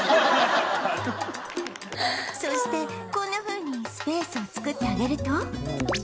そしてこんなふうにスペースを作ってあげると